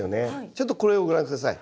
ちょっとこれをご覧下さい。